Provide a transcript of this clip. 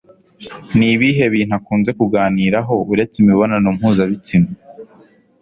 ni ibihe bintu akunze kuganiraho uretse imibonano mpuzabitsina